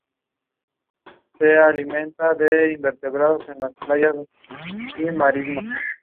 Esto limita el número de combinaciones disponibles.